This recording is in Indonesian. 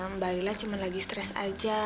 mbak ila cuma lagi stres aja